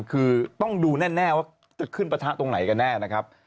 คือต้องดูแน่ว่าจะขึ้นประทะตรงไหนกันแน่นะครับ